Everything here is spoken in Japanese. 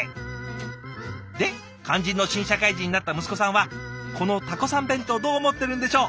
で肝心の新社会人になった息子さんはこのタコさん弁当どう思ってるんでしょう？